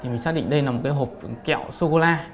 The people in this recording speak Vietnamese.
mình xác định đây là một cái hộp kẹo sô cô la